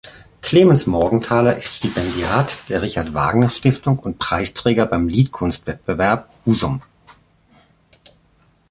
Clemens Morgenthaler ist Stipendiat der Richard-Wagner-Stiftung und Preisträger beim Liedkunst-Wettbewerb, Husum.